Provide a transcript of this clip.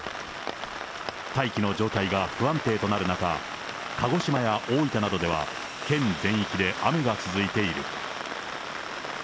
大気の状態が不安定となる中、鹿児島や大分などでは、県全域で雨が続いている。